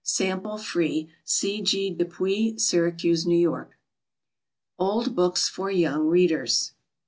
Sample free. C. G. DEPUY, Syracuse, N. Y. Old Books for Young Readers.